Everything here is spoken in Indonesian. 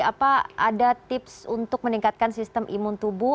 apa ada tips untuk meningkatkan sistem imun tubuh